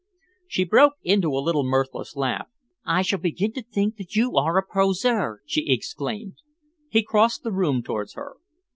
She broke into a little mirthless laugh. "I shall begin to think that you are a poseur!" she exclaimed. He crossed the room towards her.